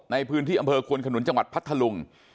ในพื้นที่อำเภอควนขนุนจังหวัดพัทธลุง